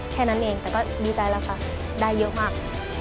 แค่นั้นเองแต่ก็ดีใจแล้วค่ะได้เยอะมาก